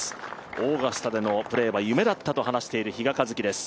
オーガスタでのプレーは夢だったと話している比嘉一貴です。